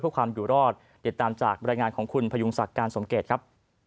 เพื่อความอยู่รอดติดตามจากบรรยายงานของคุณพยุงศักดิ์การสมเกตครับ